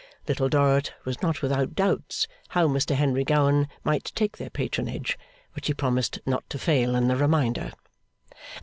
Little Dorrit was not without doubts how Mr Henry Gowan might take their patronage; but she promised not to fail in the reminder.